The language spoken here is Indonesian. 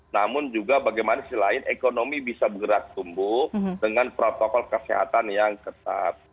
namun juga bagaimana ekonomi bisa bergerak tumbuh dengan protokol kesehatan yang ketat